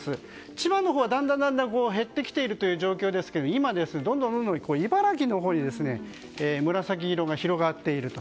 千葉のほうはだんだん減ってきている状況ですが今、どんどん茨城のほうに紫色が広がっています。